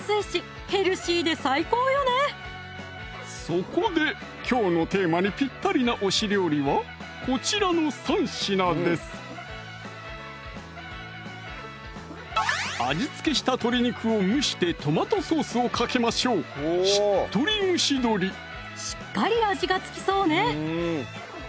そこできょうのテーマにぴったりな推し料理はこちらの３品です味付けした鶏肉を蒸してトマトソースをかけましょうしっかり味が付きそうね